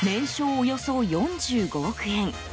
およそ４５億円。